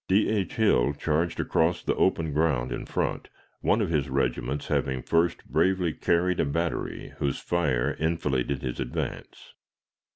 D. H. Hill charged across the open ground in front, one of his regiments having first bravely carried a battery whose fire enfiladed his advance.